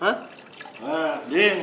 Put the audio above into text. nah dwi ampun lah